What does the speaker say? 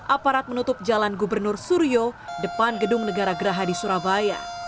aparat menutup jalan gubernur suryo depan gedung negara geraha di surabaya